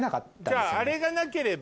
じゃああれがなければ。